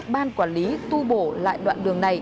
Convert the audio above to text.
ban quản lý tu bổ lại đoạn đường này